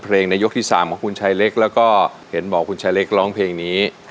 แล้วก็เห็นบอกคุณชายเล็กร้องเพลงนี้